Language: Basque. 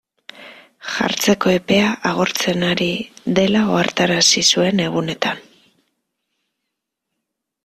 Jartzeko epea agortzen ari dela ohartarazi zuen egunetan.